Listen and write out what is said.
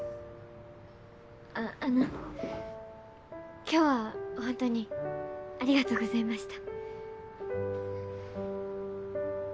ああの今日はほんとにありがとうございました。